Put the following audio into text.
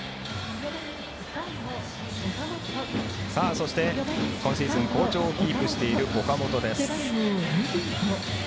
そして、今シーズン好調をキープしている、岡本です。